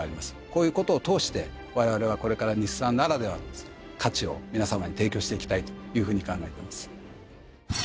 こういうことを通してわれわれはこれから日産ならではの価値を皆さまに提供していきたいというふうに考えてます。